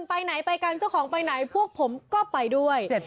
ไปไหนไปกันเจ้าของไปไหนพวกผมก็ไปด้วย